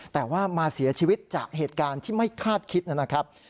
แต่ว่ามาเสียชีวิตจากเหตุการณ์ที่ไม่คาดคิดนะครับ